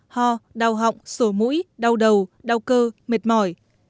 ho đau họng sổ mũi đau đầu đau cơ mệt mỏi